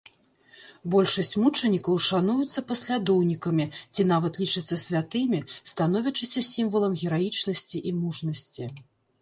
Большасць мучанікаў шануюцца паслядоўнікамі ці нават лічацца святымі, становячыся сімвалам гераічнасці і мужнасці.